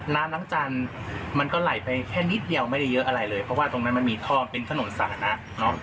น้ำล้างจันทร์มันก็ไหลไปแค่นิดเดียวไม่ได้เยอะอะไรเลยเพราะว่าตรงนั้นมันมีท่อเป็นถนนสาธารณะเนอะ